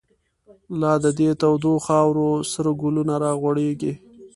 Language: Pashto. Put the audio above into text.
لا د دی تودو خاورو، سره گلونه را غوړیږی